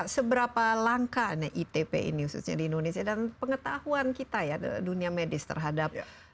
seberapa langka itp ini khususnya di indonesia dan pengetahuan kita ya dunia medis terhadap